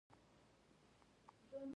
وژنه د بشري کرامت خلاف ده